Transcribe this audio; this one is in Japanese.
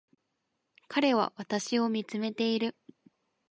彼は私を見つめている